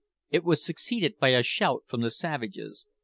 It was succeeded by a shout from the savages.